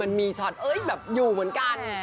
มันมีช็อตแบบอยู่เหมือนกัน